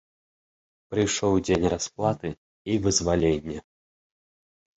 Прыйшоў дзень расплаты і вызвалення.